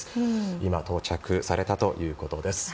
今、到着されたということです。